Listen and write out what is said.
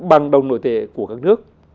bằng đồng nội tệ của các nước